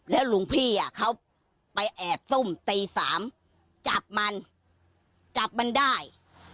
หลวงพี่เขาไปแอบซุ่มตี๓จับมันจับมันได้